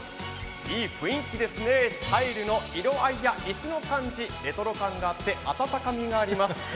いい雰囲気ですね、タイルの色合いや椅子の感じ、レトロ感があって温かみがあります。